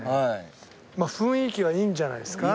雰囲気はいいんじゃないですか？